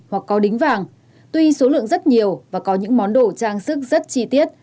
hoặc có đính vàng tuy số lượng rất nhiều và có những món đồ trang sức rất chi tiết